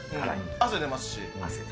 汗出ますし。